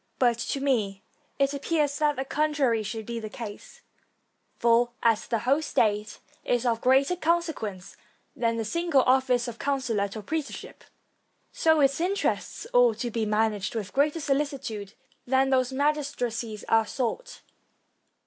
But to me it appears that the con trary should be the case, for, as the whole state is of greater consequence than the single office of consulate or praetorship, so its interests ought to be managed with greater solicitude than these magistracies are sought.